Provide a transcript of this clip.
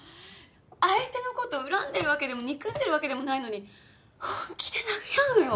相手の事恨んでるわけでも憎んでるわけでもないのに本気で殴り合うのよ。